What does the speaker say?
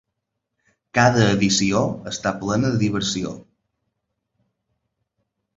Cada edició està plena de diversió!